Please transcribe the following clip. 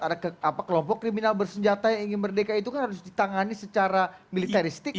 ada kelompok kriminal bersenjata yang ingin merdeka itu kan harus ditangani secara militaristik